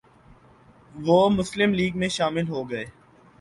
وہ مسلم لیگ میں شامل ہوگئے